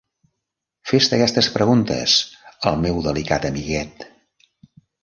Fes-te aquestes preguntes, el meu delicat amiguet!